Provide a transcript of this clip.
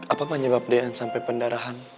apa penyebab dna sampai pendarahan